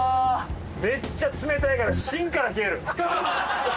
めっちゃ冷たいから芯から冷える。